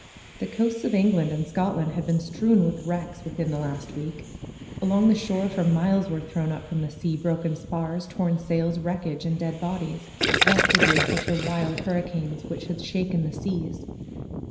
The coasts of England and Scotland had been strewn with wrecks within the last week. Along the shore for miles were thrown up from the sea broken spars, torn sails, wreckage, and dead bodies; vestiges of the wild hurricanes which had shaken the seas.